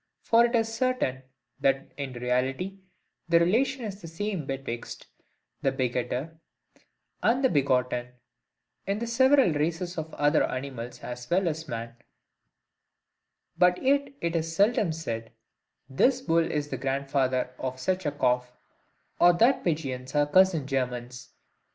For it is certain, that, in reality, the relation is the same betwixt the begetter and the begotten, in the several races of other animals as well as men; but yet it is seldom said, this bull is the grandfather of such a calf, or that two pigeons are cousin germans.